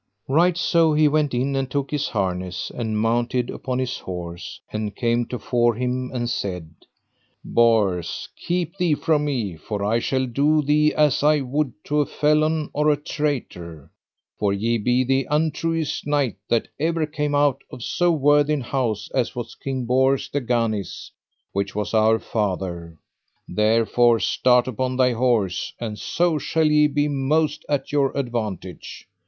Right so he went in and took his harness, and mounted upon his horse, and came to fore him and said: Bors, keep thee from me, for I shall do to thee as I would to a felon or a traitor, for ye be the untruest knight that ever came out of so worthy an house as was King Bors de Ganis which was our father, therefore start upon thy horse, and so shall ye be most at your advantage.